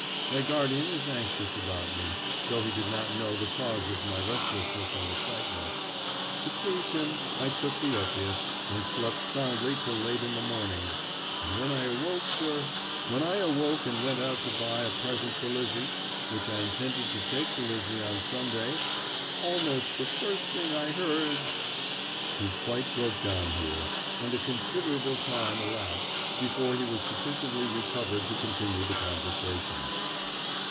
My guardian was anxious about me, though he did not know the cause of my restlessness and excitement. To please him I took the opiate, and slept soundly till late in the morning; and when I woke, sir when I woke and went out to buy a present for Lizzie, which I intended to take to Lizzie on Sunday, almost the first thing I heard " He quite broke down here, and a considerable time elapsed before he was sufficiently recovered to continue the conversation.